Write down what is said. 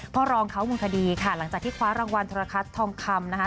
พ่อรองเขาบุญคดีค่ะหลังจากที่คว้ารางวัลธรรมคัตธรรมคำนะคะ